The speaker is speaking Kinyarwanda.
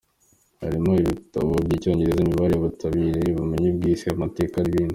Harimo ibitabo by’icyongereza, imibare, ubutabire, ubumenyi bw’isi, amateka n’ibindi.